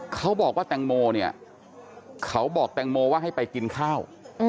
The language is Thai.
เขาบอกว่าแตงโมเนี่ยเขาบอกแตงโมว่าให้ไปกินข้าว